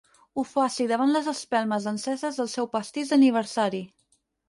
Ho faci davant les espelmes enceses del seu pastís d'aniversari.